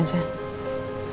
ya duluan aja